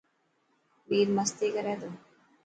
وير مستي ڪر ٿو.